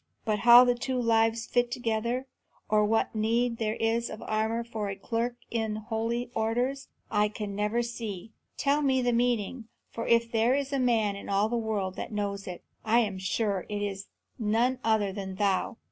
But how the two lives fit together, or what need there is of armour for a clerk in holy orders, I can never see. Tell me the meaning, for if there is a man in all the world that knows it, I am sure it is none other than thou."